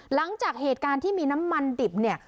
หลังจากเหตุการณ์ที่มีน้ำมันดิบเนี่ย